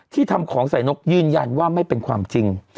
ทำของใส่นกยืนยันว่าไม่เป็นความจริง